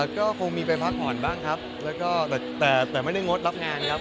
ก็คงมีไปพักผ่อนบ้างครับแล้วก็แต่ไม่ได้งดรับงานครับ